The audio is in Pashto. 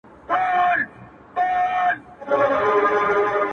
يو چا راته ويله لوړ اواز كي يې ملـگـــرو.